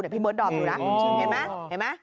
เดี๋ยวพี่เบิร์ดดอร์มดูนะเห็นไหม